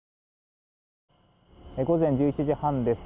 午前１１時半です。